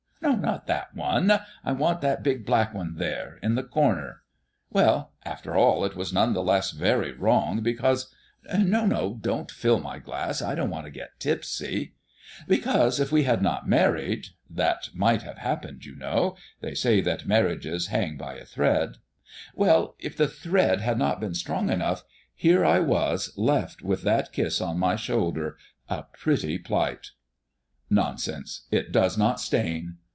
Not that one; I want that big black one there, in the corner. Well, after all, it was none the less very wrong, because no, no, don't fill my glass; I don't want to get tipsy because if we had not married (that might have happened, you know; they say that marriages hang by a thread), well, if the thread had not been strong enough, here I was left with that kiss on my shoulder, a pretty plight!" "Nonsense! It does not stain."